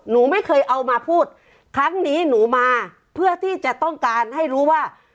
หนูไม่เคยเอามาพูดครั้งนี้หนูมาเพื่อที่จะต้องการให้รู้ว่า